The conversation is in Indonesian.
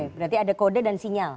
berarti ada kode dan sinyal